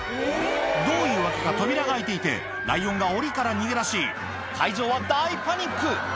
どういう訳か扉が開いていて、ライオンがおりから逃げ出し、会場は大パニック。